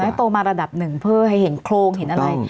โตมาระดับหนึ่งเพื่อให้เห็นโครงเห็นอะไร